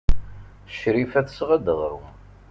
Crifa tesɣa-d aɣrum.